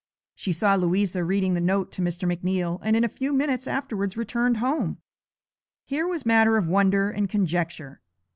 She saw Louisa reading the note to Mr. McNeal, and in a few minutes afterwards returned home. Here was matter of wonder and conjecture.